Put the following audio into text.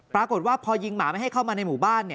ปรากฏว่าพอยิงหมาไม่ให้เข้ามาในหมู่บ้าน